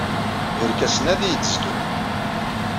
Irkasen-a ad iyi-d-zgen.